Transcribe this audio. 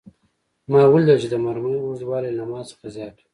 ما ولیدل چې د مرمۍ اوږدوالی له ما څخه زیات و